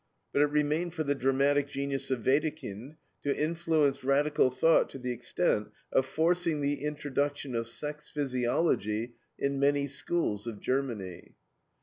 But it remained for the dramatic genius of Wedekind to influence radical thought to the extent of forcing the introduction of sex physiology in many schools of Germany.